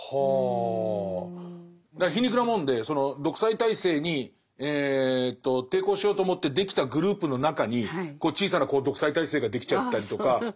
だから皮肉なもんでその独裁体制に抵抗しようと思ってできたグループの中に小さな独裁体制ができちゃったりとか。